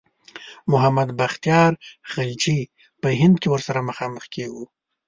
محمد بختیار خلجي په هند کې ورسره مخامخ کیږو.